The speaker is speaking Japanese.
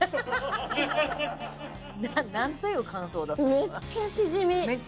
めっちゃシジミ！